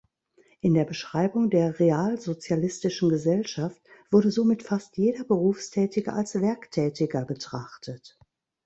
In der Beschreibung der realsozialistischen Gesellschaft wurde somit fast jeder Berufstätige als Werktätiger betrachtet.